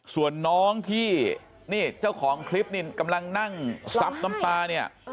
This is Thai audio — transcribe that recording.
ส่วนน้องที่นี่เจ้าของคลิปนี่กำลังนั่งซับน้ำตาเนี่ย